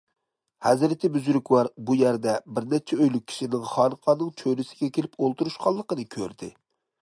ھەزرىتى بۈزرۈكۋار بۇ يەردە بىر نەچچە ئۆيلۈك كىشىنىڭ خانىقانىڭ چۆرىسىگە كېلىپ ئولتۇرۇشقانلىقىنى كۆردى.